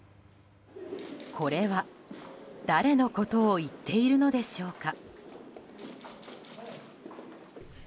これは、誰のことを言っているのでしょうか。